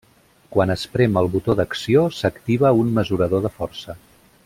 Quan es prem el botó d'acció, s'activa un mesurador de força.